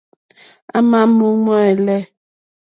À mà mù úŋmɛ́lɛ́.